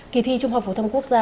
kỳ thi trung học phổ thông quốc gia